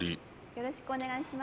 よろしくお願いします。